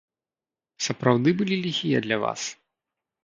Сапраўды былі ліхія для вас?